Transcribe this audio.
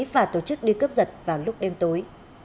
và tổ chức đi cướp giật vào lúc đêm tối